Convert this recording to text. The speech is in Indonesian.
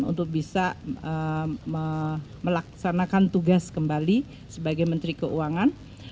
untuk bisa melaksanakan tugas kembali sebagai menteri keuangan